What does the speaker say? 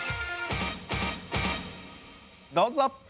どうぞ！